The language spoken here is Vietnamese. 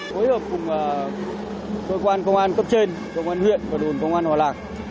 phối hợp cùng cơ quan công an cấp trên công an huyện và đồn công an hòa lạc